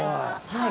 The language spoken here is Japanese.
はい。